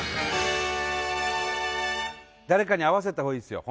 誰かに合わせた方がいいっすよ